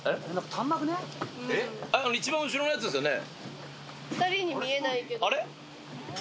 一番後ろのやつですよね？